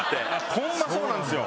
ホンマそうなんですよ。